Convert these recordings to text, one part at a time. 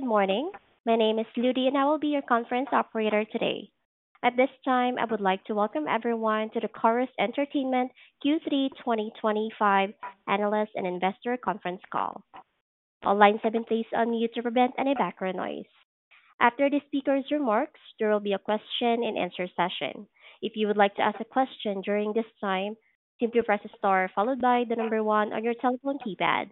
Good morning. My name is Ludi, and I will be your conference operator today. At this time, I would like to welcome everyone to the Corus Entertainment Q3 2025 Analyst and Investor Conference Call. All lines have been placed on mute to prevent any background noise. After the speaker's remarks, there will be a question-and-answer session. If you would like to ask a question during this time, simply press a star followed by the number one on your telephone keypad.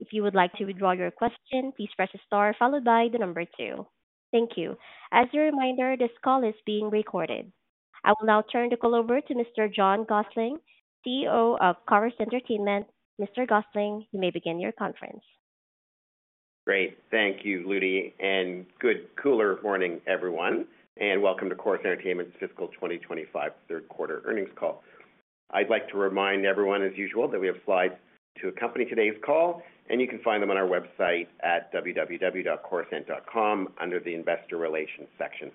If you would like to withdraw your question, please press a star followed by the number two. Thank you. As a reminder, this call is being recorded. I will now turn the call over to Mr. John Gossling, CEO of Corus Entertainment. Mr. Gossling, you may begin your conference. Great. Thank you, Ludi. Good, cooler morning, everyone. Welcome to Corus Entertainment's fiscal 2025 third-quarter earnings call. I'd like to remind everyone, as usual, that we have slides to accompany today's call, and you can find them on our website at www.corusent.com under the Investor Relations section.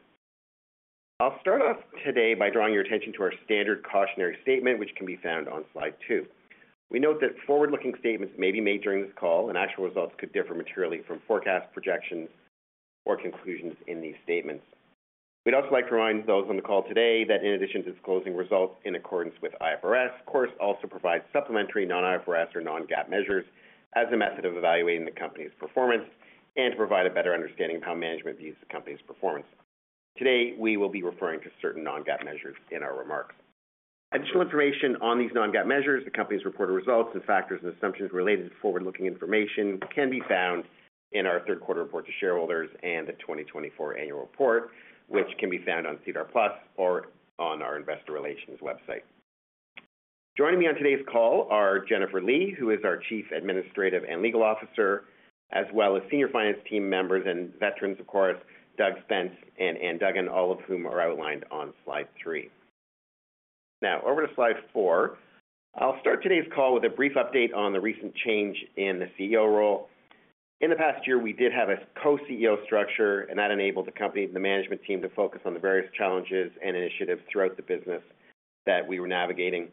I'll start off today by drawing your attention to our standard cautionary statement, which can be found on slide two. We note that forward-looking statements may be made during this call, and actual results could differ materially from forecast projections or conclusions in these statements. We'd also like to remind those on the call today that, in addition to disclosing results in accordance with IFRS, Corus also provides supplementary non-IFRS or non-GAAP measures as a method of evaluating the company's performance and to provide a better understanding of how management views the company's performance. Today, we will be referring to certain non-GAAP measures in our remarks. Additional information on these non-GAAP measures, the company's reported results, and factors and assumptions related to forward-looking information can be found in our third-quarter report to shareholders and the 2024 annual report, which can be found on SEDAR+ or on our Investor Relations website. Joining me on today's call are Jennifer Lee, who is our Chief Administrative and Legal Officer, as well as senior finance team members and veterans of Corus, Doug Spence and Ann Duggan, all of whom are outlined on slide three. Now, over to slide four. I'll start today's call with a brief update on the recent change in the CEO role. In the past year, we did have a co-CEO structure, and that enabled the company and the management team to focus on the various challenges and initiatives throughout the business that we were navigating.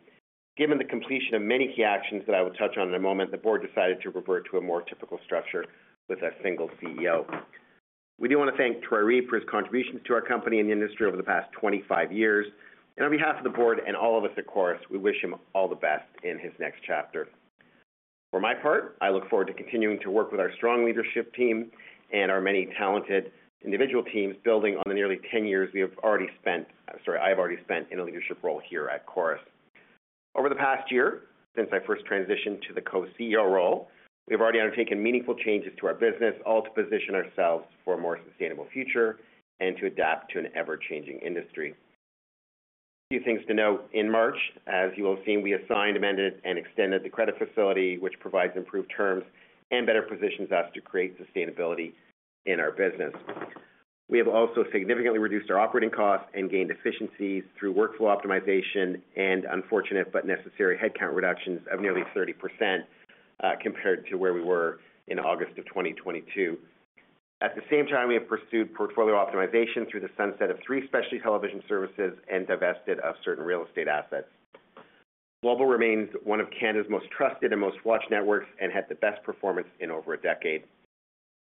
Given the completion of many key actions that I will touch on in a moment, the board decided to revert to a more typical structure with a single CEO. We do want to thank Troy Reeb for his contributions to our company and the industry over the past 25 years. On behalf of the board and all of us at Corus, we wish him all the best in his next chapter. For my part, I look forward to continuing to work with our strong leadership team and our many talented individual teams building on the nearly 10 years we have already spent—sorry, I have already spent—in a leadership role here at Corus. Over the past year, since I first transitioned to the co-CEO role, we have already undertaken meaningful changes to our business, all to position ourselves for a more sustainable future and to adapt to an ever-changing industry. A few things to note: in March, as you will have seen, we assigned, amended, and extended the credit facility, which provides improved terms and better positions us to create sustainability in our business. We have also significantly reduced our operating costs and gained efficiencies through workflow optimization and unfortunate but necessary headcount reductions of nearly 30% compared to where we were in August of 2022. At the same time, we have pursued portfolio optimization through the sunset of three specialty television services and divested of certain real estate assets. Global remains one of Canada's most trusted and most watched networks and had the best performance in over a decade.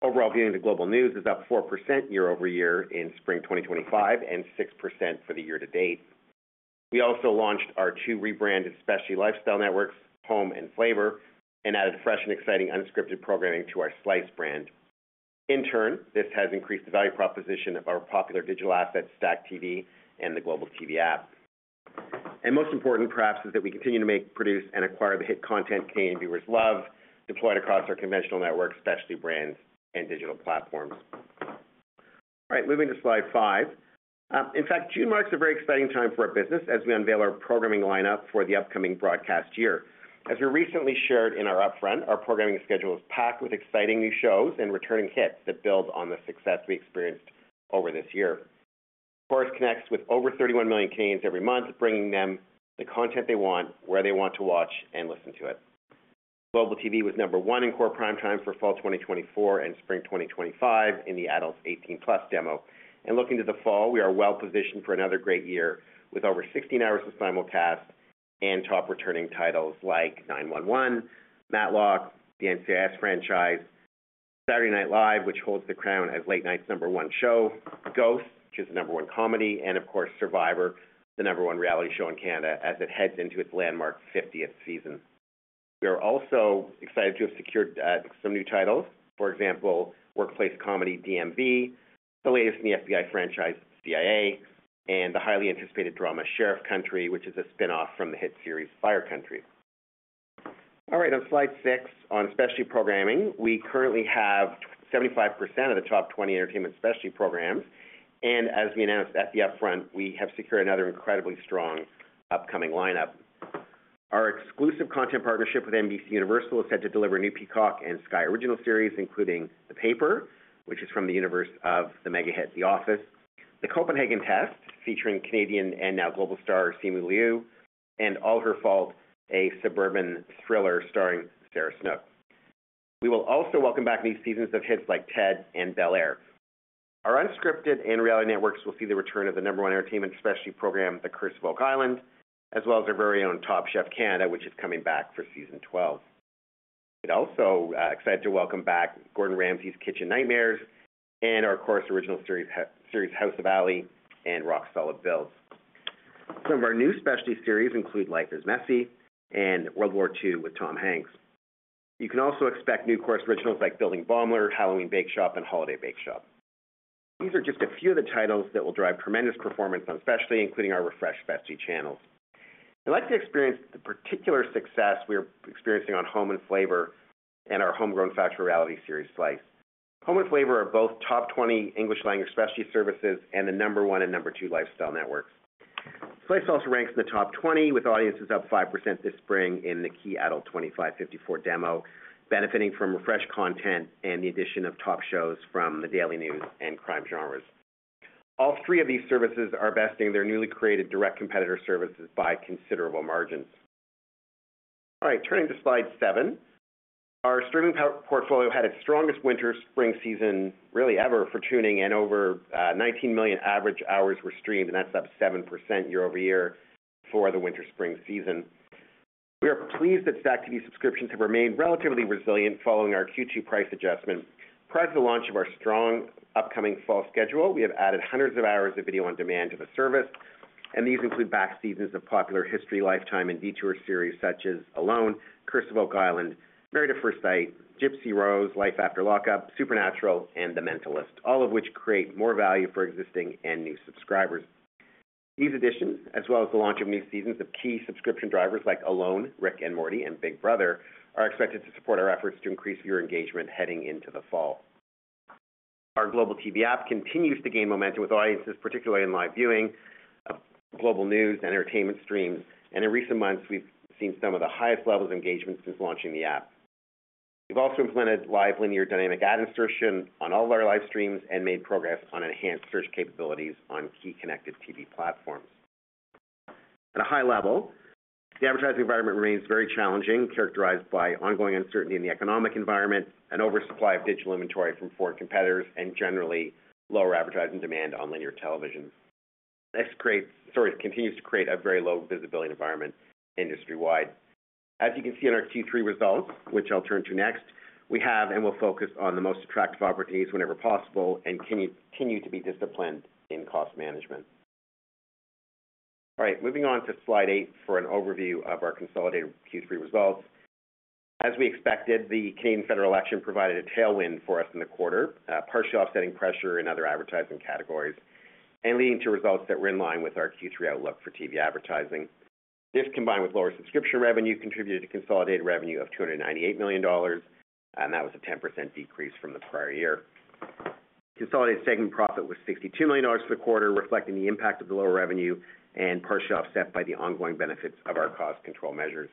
Overall viewing the Global News is up 4% year-over-year in spring 2025 and 6% for the year to date. We also launched our two rebranded specialty lifestyle networks, Home and Flavor, and added fresh and exciting unscripted programming to our Slice brand. In turn, this has increased the value proposition of our popular digital assets, Stack TV, and the Global TV App. Most important, perhaps, is that we continue to make, produce, and acquire the hit content Canadian viewers love, deployed across our conventional network specialty brands and digital platforms. All right, moving to slide five. In fact, June marks a very exciting time for our business as we unveil our programming lineup for the upcoming broadcast year. As we recently shared in our upfront, our programming schedule is packed with exciting new shows and returning hits that build on the success we experienced over this year. Corus connects with over 31 million Canadians every month, bringing them the content they want, where they want to watch and listen to it. Global TV was number one in core primetime for fall 2024 and spring 2025 in the Adults 18+ demo. Looking to the fall, we are well positioned for another great year with over 16 hours of simulcast and top returning titles like 911, Matlock, the NCIS franchise, Saturday Night Live, which holds the crown as late night's number one show, Ghosts, which is the number one comedy, and of course, Survivor, the number one reality show in Canada as it heads into its landmark 50th season. We are also excited to have secured some new titles. For example, workplace comedy DMV, the latest in the FBI franchise CIA, and the highly anticipated drama Sheriff Country, which is a spinoff from the hit series Fire Country. All right, on slide six, on specialty programming, we currently have 75% of the top 20 entertainment specialty programs. As we announced at the upfront, we have secured another incredibly strong upcoming lineup. Our exclusive content partnership with NBCUniversal is set to deliver a new Peacock and Sky Original series, including The Paper, which is from the universe of the mega hit The Office, The Copenhagen Test, featuring Canadian and now global star Simu Liu, and All Her Fault, a suburban thriller starring Sarah Snook. We will also welcome back new seasons of hits like Ted and Bel-Air. Our unscripted and reality networks will see the return of the number one entertainment specialty program, The Curse of Oak Island, as well as our very own Top Chef Canada, which is coming back for season 12. It also excites to welcome back Gordon Ramsay's Kitchen Nightmares and our Corus Original series House of Ali and Rock Solid Builds. Some of our new specialty series include Life is Messy and World War II with Tom Hanks. You can also expect new Corus Originals like Building Baumler, Halloween Bake Shop, and Holiday Bake Shop. These are just a few of the titles that will drive tremendous performance on specialty, including our Refresh Festy channels. I'd like to experience the particular success we are experiencing on Home and Flavor and our Homegrown Factory Reality Series Slice. Home and Flavor are both top 20 English language specialty services and the number one and number two lifestyle networks. Slice also ranks in the top 20 with audiences up 5% this spring in the key Adult 25-54 demo, benefiting from refreshed content and the addition of top shows from the daily news and crime genres. All three of these services are besting their newly created direct competitor services by considerable margins. All right, turning to slide seven, our streaming portfolio had its strongest winter-spring season, really ever, for tuning, and over 19 million average hours were streamed, and that's up 7% year-over-year for the winter-spring season. We are pleased that Stack TV subscriptions have remained relatively resilient following our Q2 price adjustment. Prior to the launch of our strong upcoming fall schedule, we have added hundreds of hours of video on demand to the service, and these include back seasons of popular History, Lifetime, and Detour series such as Alone, Curse of Oak Island, Married at First Sight, Gypsy Rose, Life After Lockup, Supernatural, and The Mentalist, all of which create more value for existing and new subscribers. These additions, as well as the launch of new seasons of key subscription drivers like Alone, Rick and Morty, and Big Brother, are expected to support our efforts to increase viewer engagement heading into the fall. Our Global TV app continues to gain momentum with audiences, particularly in live viewing of Global News and entertainment streams, and in recent months, we've seen some of the highest levels of engagement since launching the app. We've also implemented live linear dynamic ad insertion on all of our live streams and made progress on enhanced search capabilities on key connected TV platforms. At a high level, the advertising environment remains very challenging, characterized by ongoing uncertainty in the economic environment, an oversupply of digital inventory from foreign competitors, and generally lower advertising demand on linear television. This continues to create a very low visibility environment industry-wide. As you can see in our Q3 results, which I'll turn to next, we have and will focus on the most attractive opportunities whenever possible and continue to be disciplined in cost management. All right, moving on to slide eight for an overview of our consolidated Q3 results. As we expected, the Canadian federal election provided a tailwind for us in the quarter, partially offsetting pressure in other advertising categories and leading to results that were in line with our Q3 outlook for TV advertising. This, combined with lower subscription revenue, contributed to consolidated revenue of 298 million dollars, and that was a 10% decrease from the prior year. Consolidated segment profit was 62 million dollars for the quarter, reflecting the impact of the lower revenue and partially offset by the ongoing benefits of our cost control measures.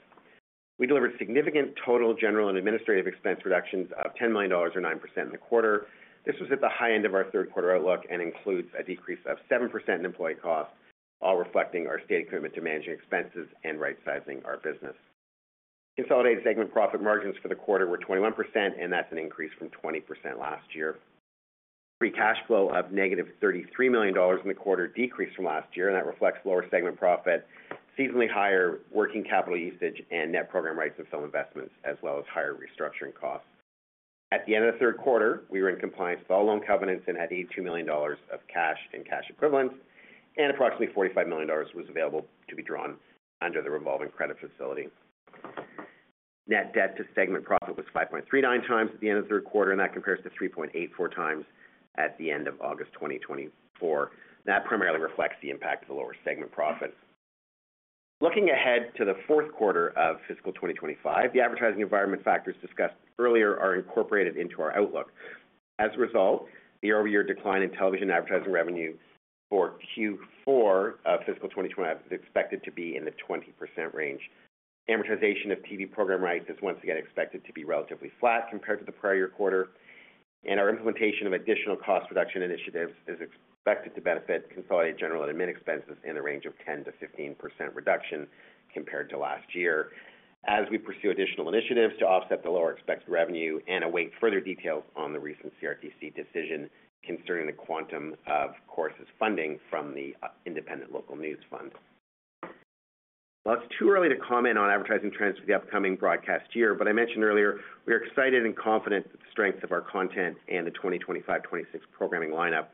We delivered significant total general and administrative expense reductions of 10 million dollars or 9% in the quarter. This was at the high end of our third-quarter outlook and includes a decrease of 7% in employee cost, all reflecting our steadfast commitment to managing expenses and right-sizing our business. Consolidated segment profit margins for the quarter were 21%, and that's an increase from 20% last year. Our free cash flow of negative 33 million dollars in the quarter decreased from last year, and that reflects lower segment profit, seasonally higher working capital usage, and net program rights and film investments, as well as higher restructuring costs. At the end of the third quarter, we were in compliance with all loan covenants and had 82 million dollars of cash and cash equivalents, and approximately 45 million dollars was available to be drawn under the revolving credit facility. Net debt to segment profit was 5.39 times at the end of the third quarter, and that compares to 3.84 times at the end of August 2024. That primarily reflects the impact of the lower segment profit. Looking ahead to the fourth quarter of fiscal 2025, the advertising environment factors discussed earlier are incorporated into our outlook. As a result, the year-over-year decline in television advertising revenue for Q4 of fiscal 2025 is expected to be in the 20% range. Amortization of TV program rights is once again expected to be relatively flat compared to the prior year quarter, and our implementation of additional cost reduction initiatives is expected to benefit consolidated general and admin expenses in the range of 10%-15% reduction compared to last year. As we pursue additional initiatives to offset the lower expected revenue and await further details on the recent CRTC decision concerning the quantum of Corus' funding from the Independent Local News Fund. It is too early to comment on advertising trends for the upcoming broadcast year, but I mentioned earlier we are excited and confident that the strength of our content and the 2025-2026 programming lineup.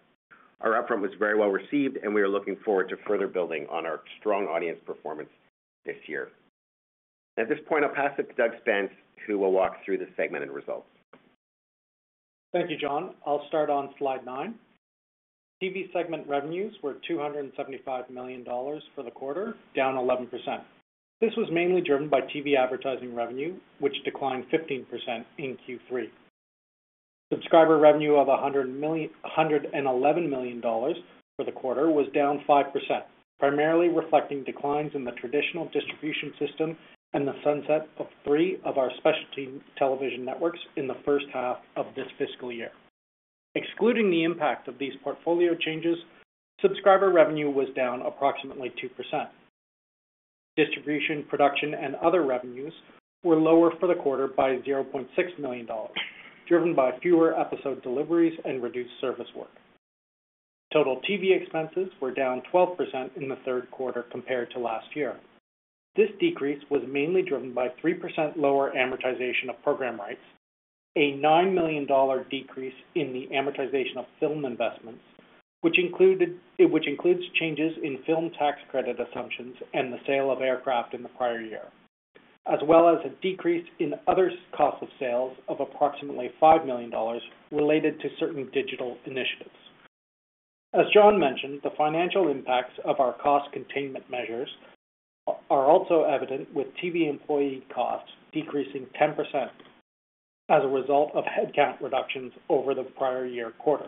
Our upfront was very well received, and we are looking forward to further building on our strong audience performance this year. At this point, I'll pass it to Doug Spence, who will walk through the segmented results. Thank you, John. I'll start on slide nine. TV segment revenues were 275 million dollars for the quarter, down 11%. This was mainly driven by TV advertising revenue, which declined 15% in Q3. Subscriber revenue of 111 million dollars for the quarter was down 5%, primarily reflecting declines in the traditional distribution system and the sunset of three of our specialty television networks in the first half of this fiscal year. Excluding the impact of these portfolio changes, subscriber revenue was down approximately 2%. Distribution, production, and other revenues were lower for the quarter by 0.6 million dollars, driven by fewer episode deliveries and reduced service work. Total TV expenses were down 12% in the third quarter compared to last year. This decrease was mainly driven by 3% lower amortization of program rights, a 9 million dollar decrease in the amortization of film investments, which includes changes in film tax credit assumptions and the sale of aircraft in the prior year, as well as a decrease in other costs of sales of approximately 5 million dollars related to certain digital initiatives. As John mentioned, the financial impacts of our cost containment measures are also evident with TV employee costs decreasing 10% as a result of headcount reductions over the prior year quarter.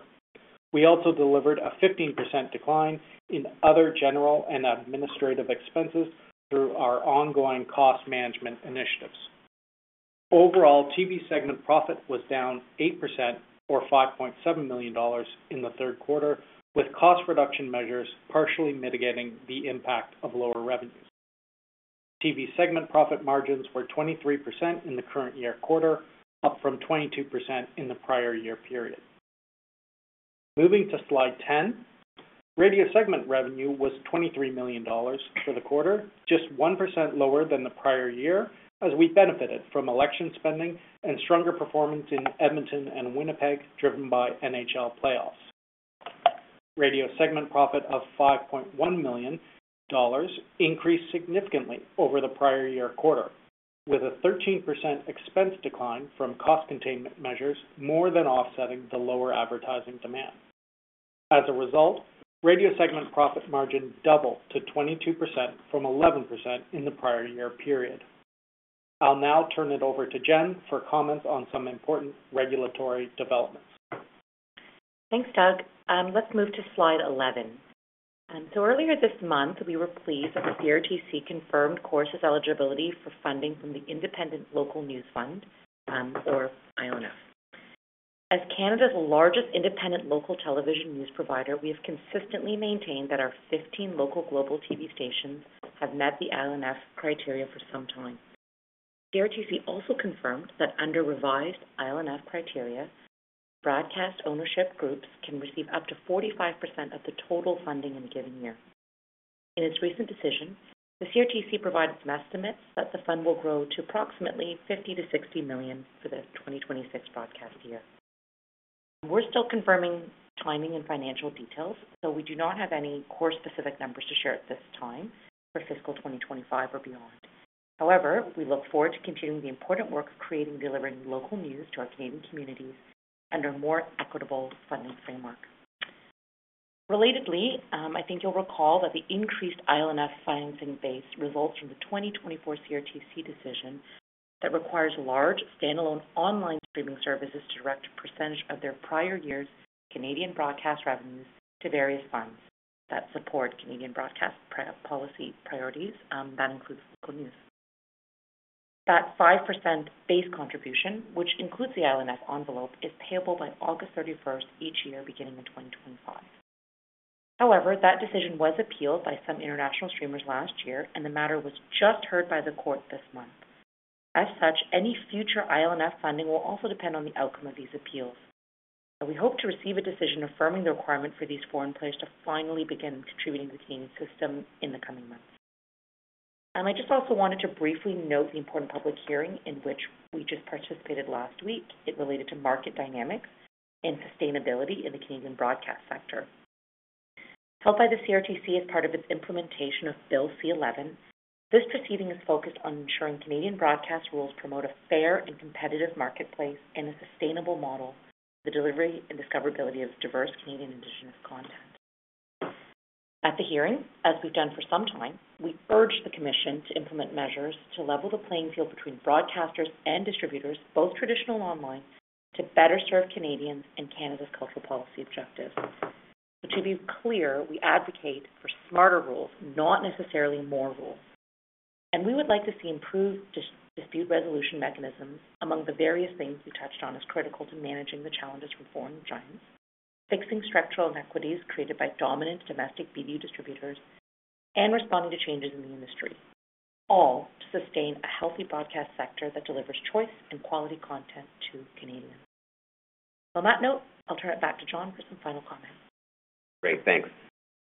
We also delivered a 15% decline in other general and administrative expenses through our ongoing cost management initiatives. Overall, TV segment profit was down 8% or 5.7 million dollars in the third quarter, with cost reduction measures partially mitigating the impact of lower revenues. TV segment profit margins were 23% in the current year quarter, up from 22% in the prior year period. Moving to slide 10, radio segment revenue was 23 million dollars for the quarter, just 1% lower than the prior year, as we benefited from election spending and stronger performance in Edmonton and Winnipeg driven by NHL playoffs. Radio segment profit of 5.1 million dollars increased significantly over the prior year quarter, with a 13% expense decline from cost containment measures more than offsetting the lower advertising demand. As a result, radio segment profit margin doubled to 22% from 11% in the prior year period. I'll now turn it over to Jen for comments on some important regulatory developments. Thanks, Doug. Let's move to slide 11. Earlier this month, we were pleased that the CRTC confirmed Corus' eligibility for funding from the Independent Local News Fund, or IONF. As Canada's largest independent local television news provider, we have consistently maintained that our 15 local Global TV stations have met the IONF criteria for some time. The CRTC also confirmed that under revised IONF criteria, broadcast ownership groups can receive up to 45% of the total funding in a given year. In its recent decision, the CRTC provided some estimates that the fund will grow to approximately 50 million-60 million for the 2026 broadcast year. We're still confirming timing and financial details, so we do not have any Corus-specific numbers to share at this time for fiscal 2025 or beyond. However, we look forward to continuing the important work of creating and delivering local news to our Canadian communities under a more equitable funding framework. Relatedly, I think you'll recall that the increased IONF financing base results from the 2024 CRTC decision that requires large standalone online streaming services to direct a percentage of their prior year's Canadian broadcast revenues to various funds that support Canadian broadcast policy priorities. That includes local news. That 5% base contribution, which includes the IONF envelope, is payable by August 31 each year, beginning in 2025. However, that decision was appealed by some international streamers last year, and the matter was just heard by the court this month. As such, any future IONF funding will also depend on the outcome of these appeals. We hope to receive a decision affirming the requirement for these foreign players to finally begin contributing to the Canadian system in the coming months. I just also wanted to briefly note the important public hearing in which we just participated last week. It related to market dynamics and sustainability in the Canadian broadcast sector. Held by the CRTC as part of its implementation of Bill C-11, this proceeding is focused on ensuring Canadian broadcast rules promote a fair and competitive marketplace and a sustainable model for the delivery and discoverability of diverse Canadian indigenous content. At the hearing, as we've done for some time, we urged the Commission to implement measures to level the playing field between broadcasters and distributors, both traditional and online, to better serve Canadians and Canada's cultural policy objectives. To be clear, we advocate for smarter rules, not necessarily more rules. We would like to see improved dispute resolution mechanisms among the various things we touched on as critical to managing the challenges from foreign giants, fixing structural inequities created by dominant domestic BDUs, and responding to changes in the industry, all to sustain a healthy broadcast sector that delivers choice and quality content to Canadians. On that note, I'll turn it back to John for some final comments. Great, thanks.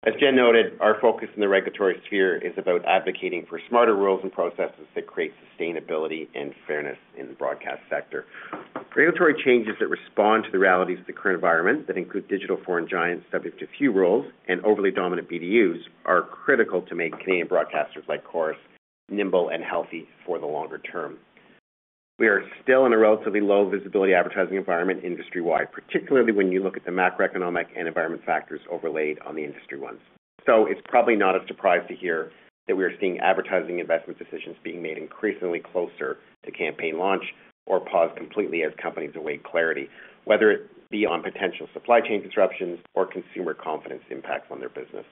As Jen noted, our focus in the regulatory sphere is about advocating for smarter rules and processes that create sustainability and fairness in the broadcast sector. Regulatory changes that respond to the realities of the current environment, that include digital foreign giants subject to few rules and overly dominant BDUs, are critical to make Canadian broadcasters like Corus nimble and healthy for the longer term. We are still in a relatively low visibility advertising environment industry-wide, particularly when you look at the macroeconomic and environment factors overlaid on the industry ones. It is probably not a surprise to hear that we are seeing advertising investment decisions being made increasingly closer to campaign launch or paused completely as companies await clarity, whether it be on potential supply chain disruptions or consumer confidence impacts on their business.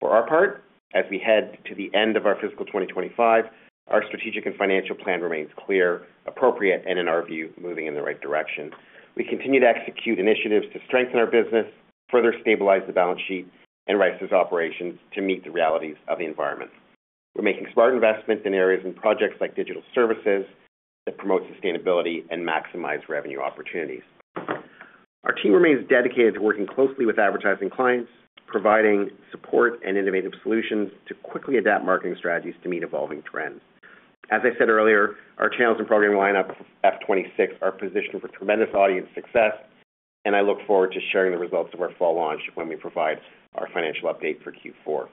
For our part, as we head to the end of our fiscal 2025, our strategic and financial plan remains clear, appropriate, and in our view, moving in the right direction. We continue to execute initiatives to strengthen our business, further stabilize the balance sheet, and rise to operations to meet the realities of the environment. We are making smart investments in areas and projects like digital services that promote sustainability and maximize revenue opportunities. Our team remains dedicated to working closely with advertising clients, providing support and innovative solutions to quickly adapt marketing strategies to meet evolving trends. As I said earlier, our channels and program lineup F-26 are positioned for tremendous audience success, and I look forward to sharing the results of our fall launch when we provide our financial update for Q4.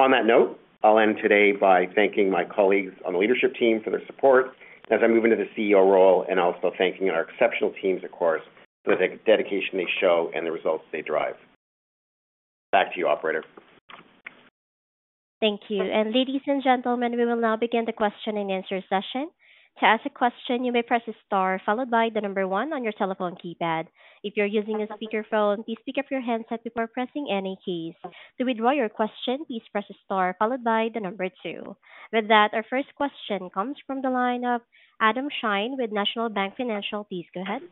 On that note, I'll end today by thanking my colleagues on the leadership team for their support. As I move into the CEO role, I'll also thank our exceptional teams, of course, for the dedication they show and the results they drive. Back to you, operator. Thank you. Ladies and gentlemen, we will now begin the question and answer session. To ask a question, you may press a star followed by the number one on your telephone keypad. If you're using a speakerphone, please pick up your handset before pressing any keys. To withdraw your question, please press a star followed by the number two. With that, our first question comes from the line of Adam Schein with National Bank Financial. Please go ahead.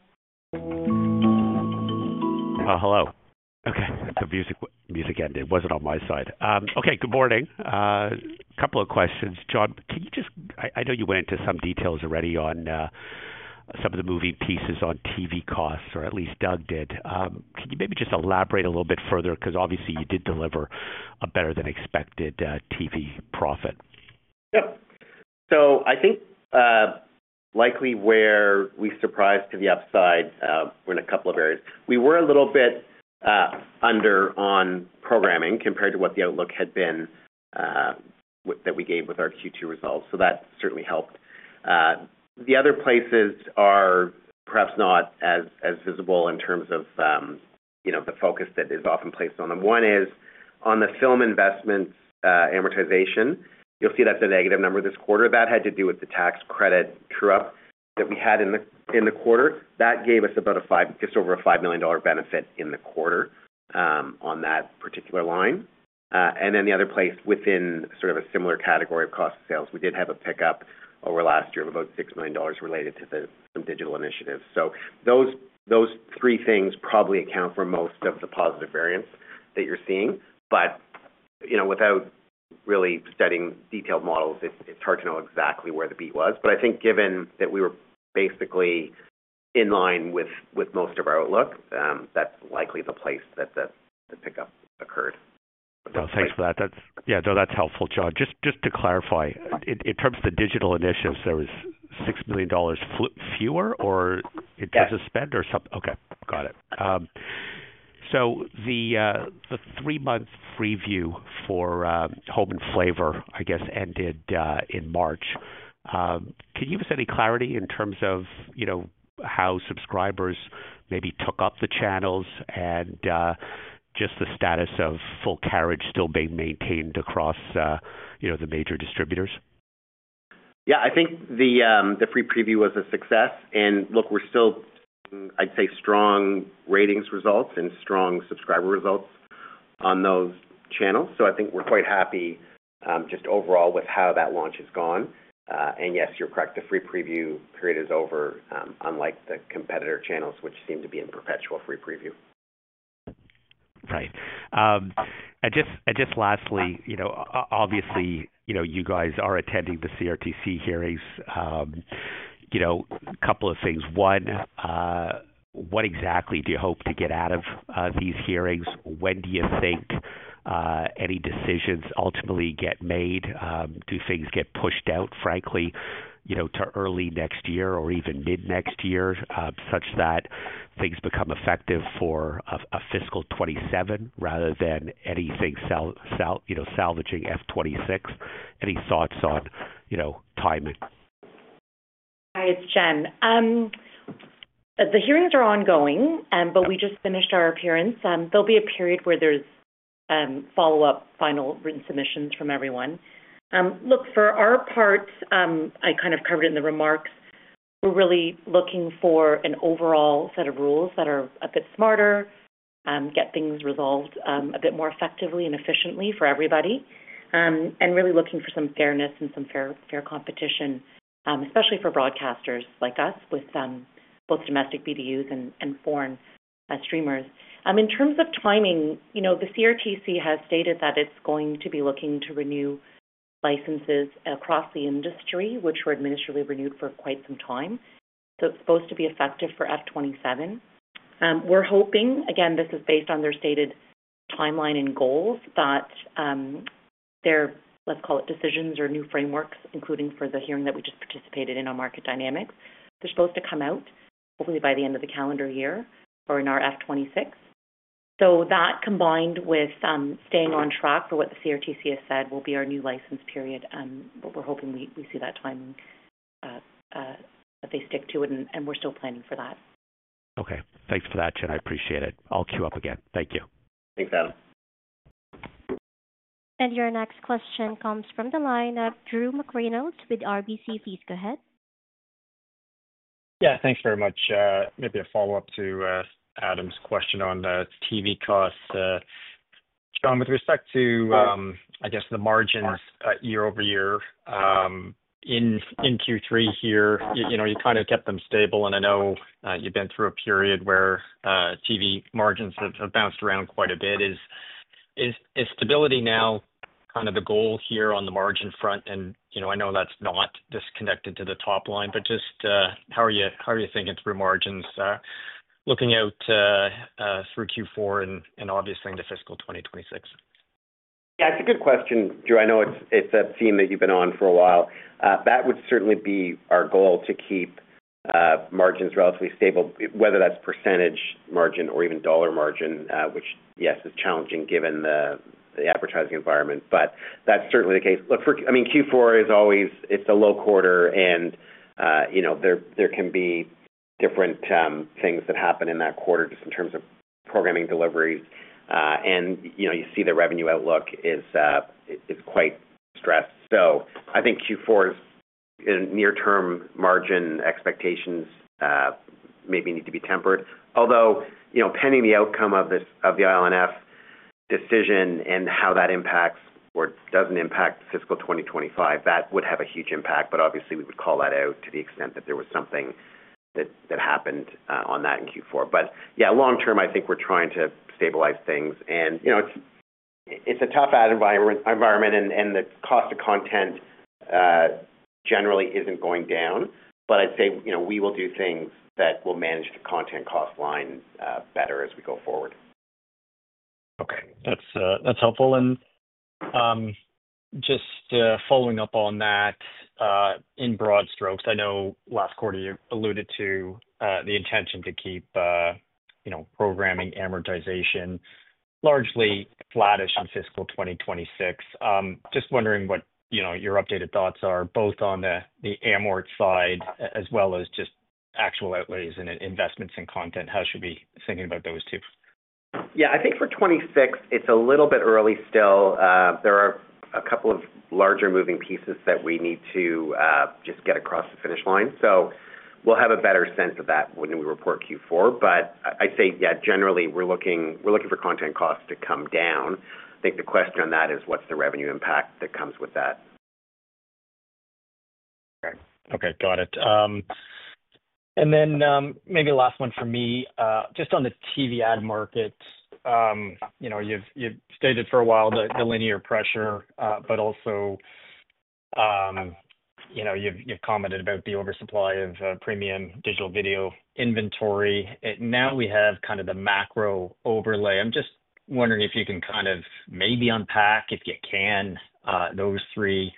Hello. Okay, the music ended. It was not on my side. Okay, good morning. A couple of questions. John, can you just—I know you went into some details already on some of the moving pieces on TV costs, or at least Doug did. Can you maybe just elaborate a little bit further? Because obviously, you did deliver a better-than-expected TV profit. Yep. I think likely where we surprised to the upside were in a couple of areas. We were a little bit under on programming compared to what the outlook had been that we gave with our Q2 results. That certainly helped. The other places are perhaps not as visible in terms of the focus that is often placed on them. One is on the film investment amortization. You'll see that's a negative number this quarter. That had to do with the tax credit true-up that we had in the quarter. That gave us about a $5 million benefit in the quarter on that particular line. The other place within sort of a similar category of cost sales, we did have a pickup over last year of about $6 million related to some digital initiatives. Those three things probably account for most of the positive variance that you're seeing. Without really studying detailed models, it's hard to know exactly where the beat was. I think given that we were basically in line with most of our outlook, that's likely the place that the pickup occurred. Thanks for that. Yeah, no, that's helpful, John. Just to clarify, in terms of the digital initiatives, there was 6 million dollars fewer, or did you suspend or something? Yes. Okay, got it. The three-month preview for Home and Flavor, I guess, ended in March. Can you give us any clarity in terms of how subscribers maybe took up the channels and just the status of full carriage still being maintained across the major distributors? I think the free preview was a success. Look, we're still, I'd say, strong ratings results and strong subscriber results on those channels. I think we're quite happy just overall with how that launch has gone. Yes, you're correct, the free preview period is over, unlike the competitor channels, which seem to be in perpetual free preview. Right. Just lastly, obviously, you guys are attending the CRTC hearings. A couple of things. One, what exactly do you hope to get out of these hearings? When do you think any decisions ultimately get made? Do things get pushed out, frankly, to early next year or even mid-next year such that things become effective for a fiscal 2027 rather than anything salvaging F-2026? Any thoughts on timing? Hi, it's Jen. The hearings are ongoing, but we just finished our appearance. There will be a period where there's follow-up final written submissions from everyone. Look, for our part, I kind of covered it in the remarks. We're really looking for an overall set of rules that are a bit smarter, get things resolved a bit more effectively and efficiently for everybody, and really looking for some fairness and some fair competition, especially for broadcasters like us with both domestic BDUs and foreign streamers. In terms of timing, the CRTC has stated that it's going to be looking to renew licenses across the industry, which were administratively renewed for quite some time. It is supposed to be effective for F-2027. We're hoping, again, this is based on their stated timeline and goals, that their, let's call it, decisions or new frameworks, including for the hearing that we just participated in on market dynamics, they're supposed to come out hopefully by the end of the calendar year or in our F-2026. That combined with staying on track for what the CRTC has said will be our new license period. We are hoping we see that timing if they stick to it, and we are still planning for that. Okay. Thanks for that, Jen. I appreciate it. I will queue up again. Thank you. Thanks, Adam. Your next question comes from the line of Drew McReynolds with RBC Capital Markets. Go ahead. Yeah, thanks very much. Maybe a follow-up to Adam's question on TV costs. John, with respect to, I guess, the margins year over year in Q3 here, you kind of kept them stable. I know you have been through a period where TV margins have bounced around quite a bit. Is stability now kind of the goal here on the margin front? I know that's not disconnected to the top line, but just how are you thinking through margins looking out through Q4 and obviously into fiscal 2026? Yeah, it's a good question, Drew. I know it's a theme that you've been on for a while. That would certainly be our goal to keep margins relatively stable, whether that's percentage margin or even dollar margin, which, yes, is challenging given the advertising environment. That's certainly the case. Look, I mean, Q4 is always a low quarter, and there can be different things that happen in that quarter just in terms of programming deliveries. You see the revenue outlook is quite stressed. I think Q4's near-term margin expectations maybe need to be tempered. Although, pending the outcome of the IONF decision and how that impacts or doesn't impact fiscal 2025, that would have a huge impact. Obviously, we would call that out to the extent that there was something that happened on that in Q4. Long term, I think we are trying to stabilize things. It is a tough ad environment, and the cost of content generally is not going down. I would say we will do things that will manage the content cost line better as we go forward. Okay. That is helpful. Just following up on that in broad strokes, I know last quarter you alluded to the intention to keep programming amortization largely flattish in fiscal 2026. Just wondering what your updated thoughts are both on the amort side as well as just actual outlays and investments in content. How should we be thinking about those two? I think for 2026, it is a little bit early still there are a couple of larger moving pieces that we need to just get across the finish line. We will have a better sense of that when we report Q4. I would say, yeah, generally, we are looking for content costs to come down. I think the question on that is what is the revenue impact that comes with that. Okay. Okay, got it. Maybe last one for me, just on the TV ad markets. You have stated for a while the linear pressure, but also you have commented about the oversupply of premium digital video inventory. Now we have kind of the macro overlay. I am just wondering if you can maybe unpack, if you can, those three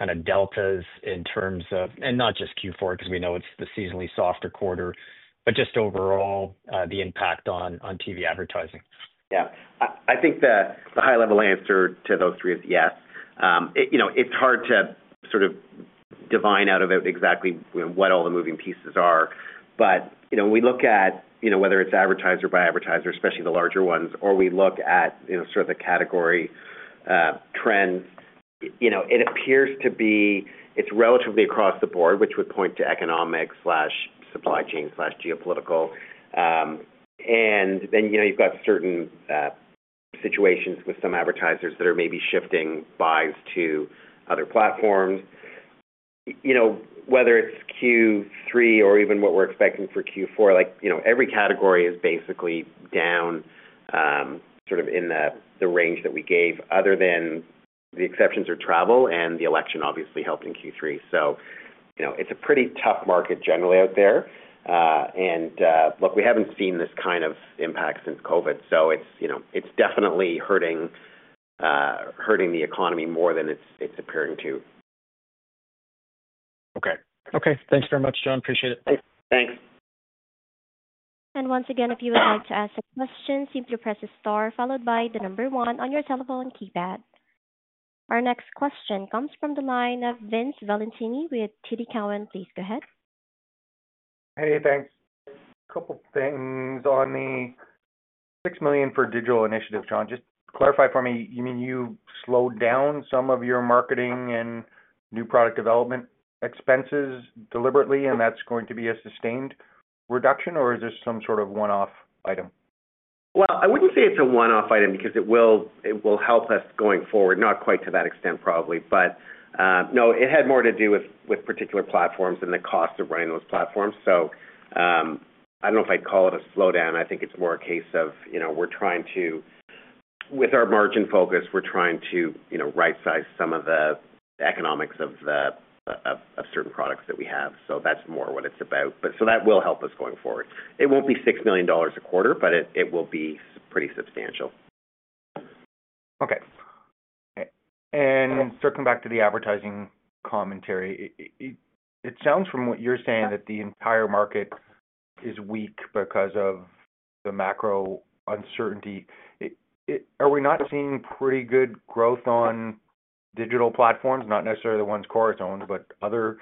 kind of deltas in terms of—not just Q4 because we know it is the seasonally softer quarter—but just overall the impact on TV advertising. Yeah. I think the high-level answer to those three is yes. It's hard to sort of divine out of it exactly what all the moving pieces are. But when we look at whether it's advertiser by advertiser, especially the larger ones, or we look at sort of the category trends, it appears to be it's relatively across the board, which would point to economics/supply chain/geopolitical. Then you've got certain situations with some advertisers that are maybe shifting buys to other platforms. Whether it's Q3 or even what we're expecting for Q4, every category is basically down sort of in the range that we gave, other than the exceptions are travel and the election obviously helped in Q3. It's a pretty tough market generally out there. Look, we haven't seen this kind of impact since COVID. It's definitely hurting the economy more than it's appearing to. Okay. Okay. Thanks very much, John. Appreciate it. Thanks. And once again, if you would like to ask a question, simply press star followed by the number one on your telephone keypad. Our next question comes from the line of Vince Valentini with TD Cowen.Please go ahead. Hey, thanks. A couple of things on the $6 million for digital initiative, John. Just clarify for me, you mean you slowed down some of your marketing and new product development expenses deliberately, and that's going to be a sustained reduction, or is there some sort of one-off item? I would not say it's a one-off item because it will help us going forward, not quite to that extent probably. No, it had more to do with particular platforms and the cost of running those platforms. I do not know if I would call it a slowdown. I think it's more a case of we're trying to, with our margin focus, we're trying to right-size some of the economics of certain products that we have. That's more what it's about. That will help us going forward. It won't be $6 million a quarter, but it will be pretty substantial. Okay. Circling back to the advertising commentary, it sounds from what you're saying that the entire market is weak because of the macro uncertainty. Are we not seeing pretty good growth on digital platforms, not necessarily the ones Corus owns, but other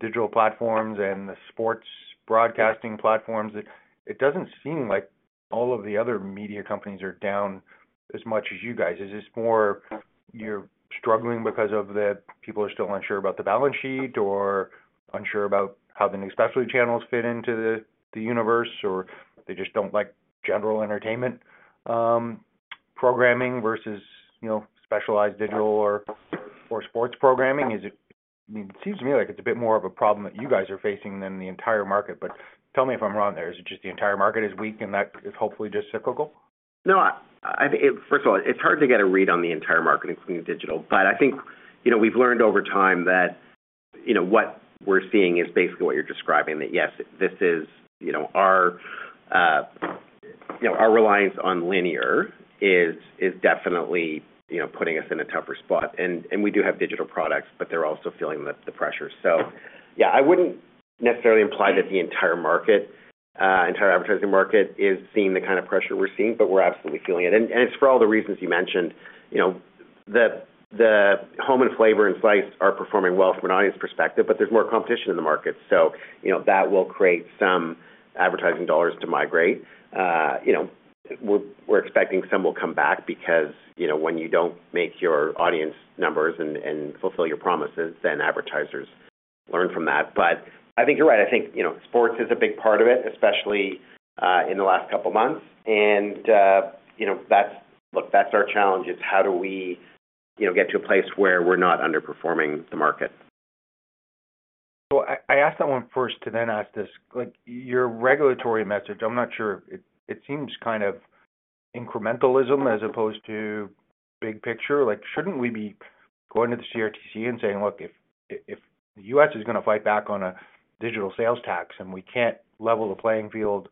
digital platforms and the sports broadcasting platforms? It doesn't seem like all of the other media companies are down as much as you guys. Is this more you're struggling because people are still unsure about the balance sheet or unsure about how the new specialty channels fit into the universe, or they just do not like general entertainment programming versus specialized digital or sports programming? I mean, it seems to me like it is a bit more of a problem that you guys are facing than the entire market. Tell me if I am wrong there. Is it just the entire market is weak, and that is hopefully just cyclical? No, first of all, it is hard to get a read on the entire market, including digital. I think we have learned over time that what we are seeing is basically what you are describing, that yes, this is our reliance on linear is definitely putting us in a tougher spot. We do have digital products, but they are also feeling the pressure. Yeah, I wouldn't necessarily imply that the entire market, entire advertising market, is seeing the kind of pressure we're seeing, but we're absolutely feeling it. It's for all the reasons you mentioned. The Home and Flavor and Slice are performing well from an audience perspective, but there's more competition in the market. That will create some advertising dollars to migrate. We're expecting some will come back because when you don't make your audience numbers and fulfill your promises, then advertisers learn from that. I think you're right. I think sports is a big part of it, especially in the last couple of months. Look, that's our challenge. It's how do we get to a place where we're not underperforming the market? I asked that one first to then ask this. Your regulatory message, I'm not sure. It seems kind of incrementalism as opposed to big picture. Shouldn't we be going to the CRTC and saying, "Look, if the U.S. is going to fight back on a digital sales tax and we can't level the playing field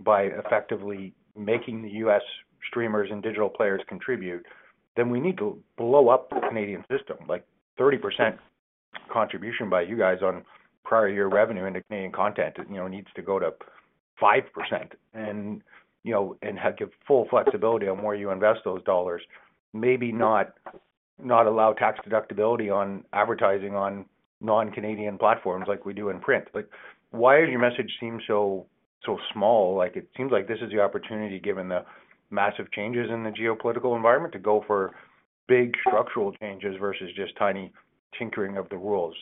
by effectively making the U.S. streamers and digital players contribute, then we need to blow up the Canadian system." Like 30% contribution by you guys on prior year revenue into Canadian content needs to go to 5% and give full flexibility on where you invest those dollars. Maybe not allow tax deductibility on advertising on non-Canadian platforms like we do in print. Why does your message seem so small? It seems like this is the opportunity given the massive changes in the geopolitical environment to go for big structural changes versus just tiny tinkering of the rules.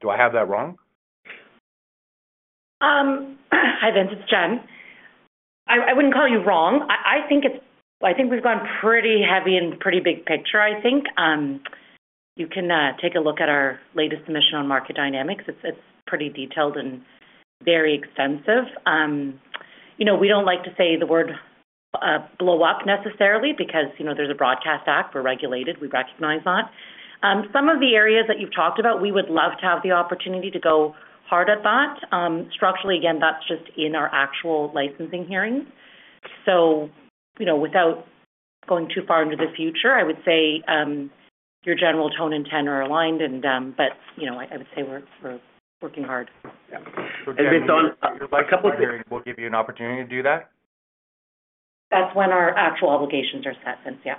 Do I have that wrong? Hi, Vince. It's Jen. I wouldn't call you wrong. I think we've gone pretty heavy and pretty big picture, I think. You can take a look at our latest submission on market dynamics. It's pretty detailed and very extensive. We don't like to say the word blow up necessarily because there's a broadcast act. We're regulated. We recognize that. Some of the areas that you've talked about, we would love to have the opportunity to go hard at that. Structurally, again, that's just in our actual licensing hearings. Without going too far into the future, I would say your general tone and tenor are aligned, but I would say we're working hard. Yeah. And, by Jenouple of hearings, we'll give you an opportunity to do that? That's when our actual obligations are set, Vince. Yeah.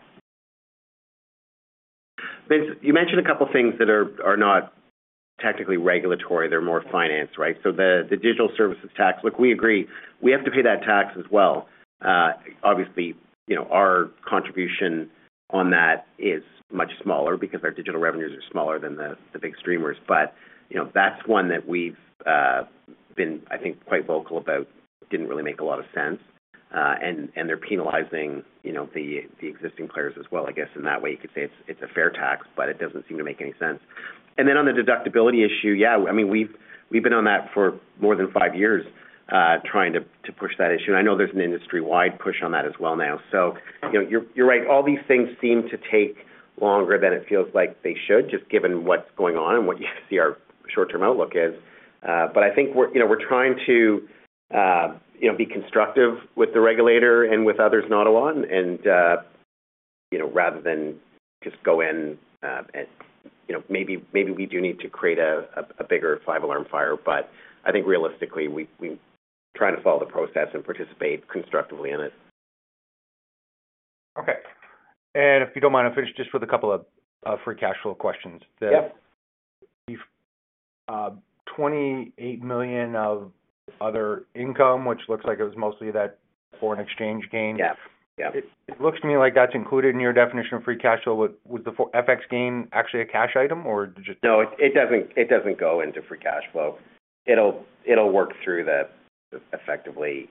Vince, you mentioned a couple of things that are not technically regulatory. They're more finance, right? The digital services tax, look, we agree we have to pay that tax as well. Obviously, our contribution on that is much smaller because our digital revenues are smaller than the big streamers. That is one that we have been, I think, quite vocal about. Did not really make a lot of sense. They are penalizing the existing players as well, I guess. In that way, you could say it is a fair tax, but it does not seem to make any sense. On the deductibility issue, yeah, I mean, we have been on that for more than five years trying to push that issue. I know there is an industry-wide push on that as well now. You are right. All these things seem to take longer than it feels like they should, just given what is going on and what you see our short-term outlook is. I think we're trying to be constructive with the regulator and with others, not a lot. Rather than just go in, maybe we do need to create a bigger five-alarm fire. I think realistically, we're trying to follow the process and participate constructively in it. Okay. If you don't mind, I'll finish just with a couple of free cash flow questions. The 28 million of other income, which looks like it was mostly that foreign exchange gain. It looks to me like that's included in your definition of free cash flow. Was the FX gain actually a cash item, or did you? No, it doesn't go into free cash flow. It'll work through that effectively.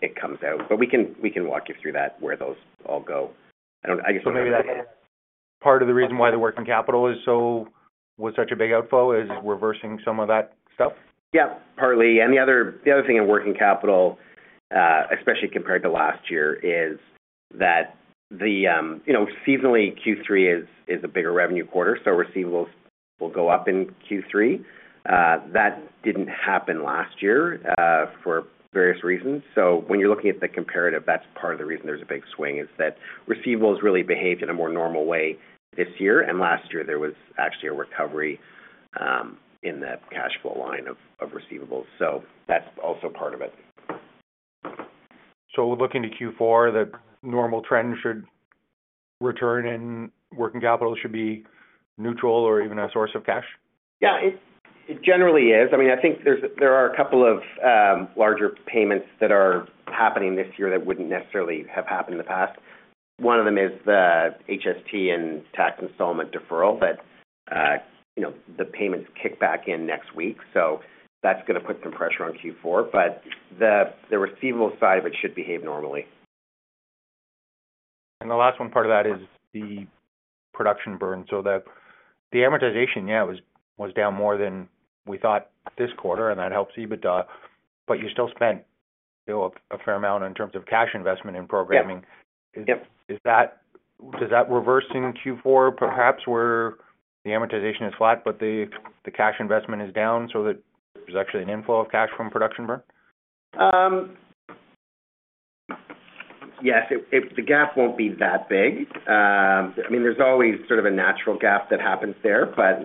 It comes out. We can walk you through that, where those all go. I guess part of the reason why the working capital was such a big outflow is reversing some of that stuff? Yeah, partly. The other thing in working capital, especially compared to last year, is that seasonally, Q3 is a bigger revenue quarter. Receivables will go up in Q3. That did not happen last year for various reasons. When you are looking at the comparative, that is part of the reason there is a big swing, is that receivables really behaved in a more normal way this year. Last year, there was actually a recovery in the cash flow line of receivables. That is also part of it. Looking to Q4, that normal trend should return in working capital, should be neutral or even a source of cash? Yeah, it generally is. I mean, I think there are a couple of larger payments that are happening this year that would not necessarily have happened in the past. One of them is the HST and tax installment deferral that the payments kick back in next week. That is going to put some pressure on Q4. The receivable side of it should behave normally. The last one part of that is the production burn. The amortization, yeah, was down more than we thought this quarter, and that helps you. You still spent a fair amount in terms of cash investment in programming. Does that reverse in Q4, perhaps, where the amortization is flat, but the cash investment is down so that there is actually an inflow of cash from production burn? Yes. The gap will not be that big. I mean, there is always sort of a natural gap that happens there, but.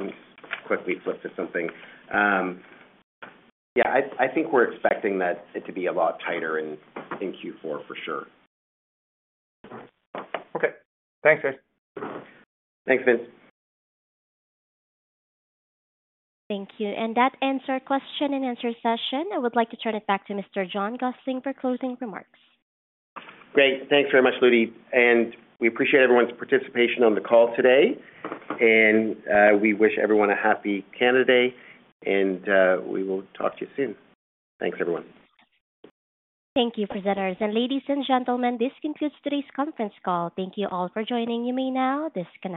Quickly flip to something. Yeah, I think we're expecting that it to be a lot tighter in Q4 for sure. Okay. Thanks, guys. Thanks, Vince. Thank you. That ends our question and answer session. I would like to turn it back to Mr. John Gossling for closing remarks. Great. Thanks very much, Luddy. We appreciate everyone's participation on the call today. We wish everyone a happy Canada Day. We will talk to you soon. Thanks, everyone. Thank you, presenters. Ladies and gentlemen, this concludes today's conference call. Thank you all for joining. You may now disconnect. This conference.